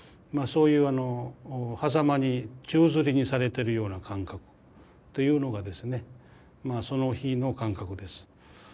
そういうはざまに宙づりにされてるような感覚というのがですねその日の感覚です。